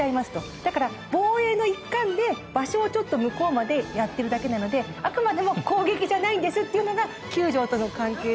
だから防衛の一環で場所をちょっと向こうまでやってるだけなのであくまでも攻撃じゃないんですっていうのが９条との関係で。